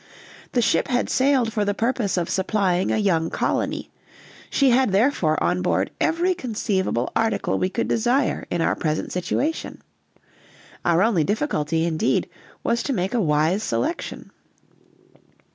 The ship had sailed for the purpose of supplying a young colony, she had therefore on board every conceivable article we could desire in our present situation; our only difficulty, indeed, was to make a wise selection.